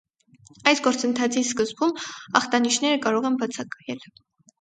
Այս գործընթացի սկզվում ախտանիշները կարող են բացակայել։